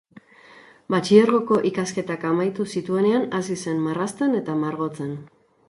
Batxilergoko ikasketak amaitu zituenean hasi zen marrazten eta margotzen.